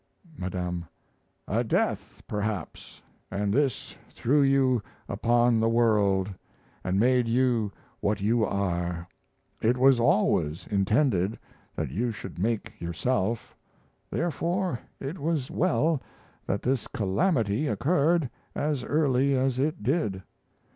'Madame.' A death, perhaps, and this threw you upon the world and made you what you are; it was always intended that you should make yourself; therefore, it was well that this calamity occurred as early as it did.